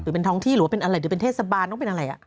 เป็นท้องที่หรือว่าเป็นอะไรหรือเป็นเทศบาลต้องเป็นอะไร